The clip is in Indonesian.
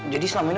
jadi selama ini